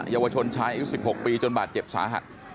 เยาวชนชายอายุ๑๖ปีจนบาดเจ็บสาหัส